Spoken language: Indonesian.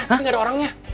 tapi gak ada orangnya